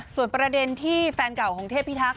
ส่วนประเด็นที่แฟนเก่าของเทพิทักษ